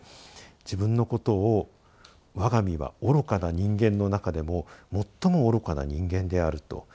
自分のことを「我が身は愚かな人間の中でも最も愚かな人間である」と。